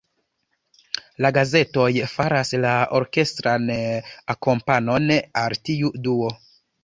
La gazetoj faras la orkestran akompanon al tiu duo.